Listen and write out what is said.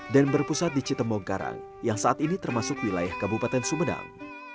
dan berpusat di citembong karang yang saat ini termasuk wilayah kebupaten sumedang